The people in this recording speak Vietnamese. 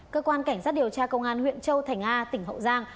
cơ quan cảnh sát điều tra công an huyện châu thành a tỉnh hậu giang